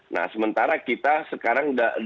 nah sementara kita sekarang dalam posisi